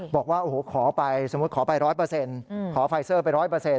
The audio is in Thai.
บอกว่าโอ้โหขอไปสมมุติขอไป๑๐๐ขอไฟเซอร์ไป๑๐๐